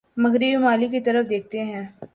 مغربی ممالک کی طرف دیکھتے ہیں